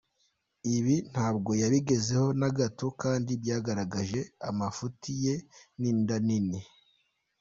Ibi ntabwo yabigezeho na gato kandi byagaragaje amafuti ye n’inda nini.